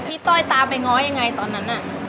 ต้อยตามไปง้อยังไงตอนนั้นน่ะ